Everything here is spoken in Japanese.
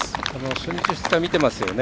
初日、２日見ていますよね。